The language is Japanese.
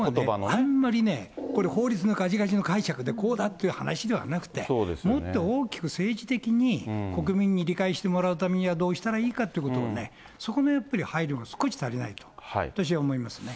あんまりね、法律でがちがちの解釈だとこうだという話ではなくて、もっと大きく政治的に国民に理解してもらうためにはどうしたらいいかってことをね、そこのやっぱり配慮が少し足りないと私は思いますね。